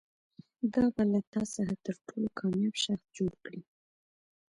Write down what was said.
دا به له تا څخه تر ټولو کامیاب شخص جوړ کړي.